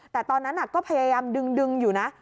แต่ตอนนั้นก็พยายามดึงอยู่นะ